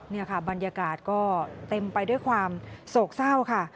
นี่ค่ะบรรยากาศก็เต็มไปด้วยความโศกเศร้าค่ะ